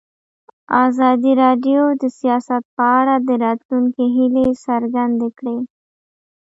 ازادي راډیو د سیاست په اړه د راتلونکي هیلې څرګندې کړې.